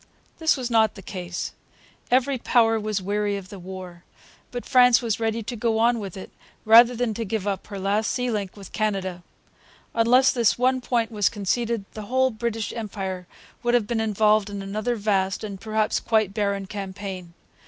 This was not the case. Every power was weary of the war. But France was ready to go on with it rather than give up her last sea link with Canada. Unless this one point was conceded the whole British Empire would have been involved in another vast, and perhaps quite barren, campaign.